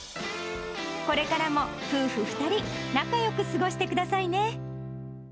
これからも夫婦２人、仲よく過ごしてくださいね。